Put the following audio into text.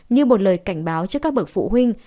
như một lời cảnh báo cho các bậc phụ huynh